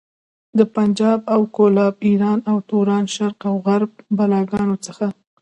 د پنجاب او کولاب، ايران او توران، شرق او غرب بلاګانو څخه.